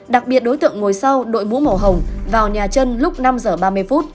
đặc biệt đối tượng ngồi sau đội mũ màu hồng vào nhà trân lúc năm h ba mươi